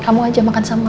kamu aja makan sama mah